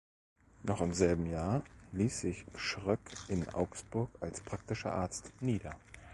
Noch im selben Jahr ließ sich Schröck in Augsburg als praktischer Arzt nieder.